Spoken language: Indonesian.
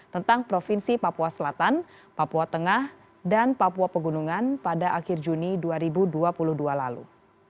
tentang provinsi papua selatan papua tengah dan papua pegunungan pada akhir juni dua ribu dua puluh dua lalu